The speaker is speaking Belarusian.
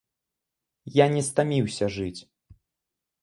Я не стаміўся жыць.